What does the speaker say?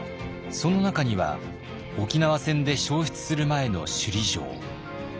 その中には沖縄戦で焼失する前の首里城。